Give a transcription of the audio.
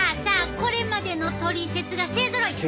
これまでのトリセツが勢ぞろい！